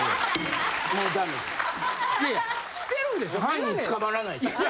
犯人捕まらない。